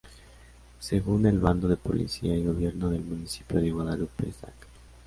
Según el Bando de Policía y Gobierno del Municipio de Guadalupe, Zac.